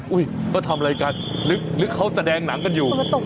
อุ้ยมาทำอะไรกันนึกนึกเขาแสดงหนังกันอยู่